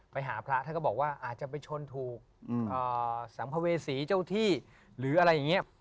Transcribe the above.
ไปหาหมอบอกไม่เป็นไรเรียกนะ